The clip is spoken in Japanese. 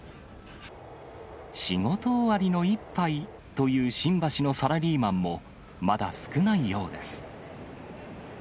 仕事終わりの一杯という新橋のサラリーマンも、まだ少ないようです。